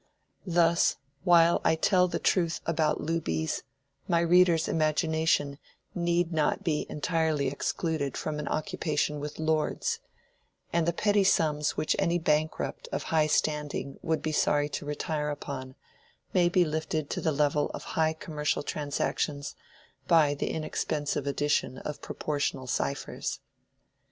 Thus while I tell the truth about loobies, my reader's imagination need not be entirely excluded from an occupation with lords; and the petty sums which any bankrupt of high standing would be sorry to retire upon, may be lifted to the level of high commercial transactions by the inexpensive addition of proportional ciphers.